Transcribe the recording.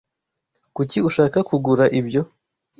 Kuki ushaka kugura ibyo?